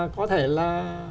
có thể là